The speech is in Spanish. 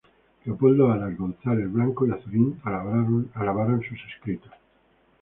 Leopoldo Alas, González-Blanco y Azorín alabaron sus escritos.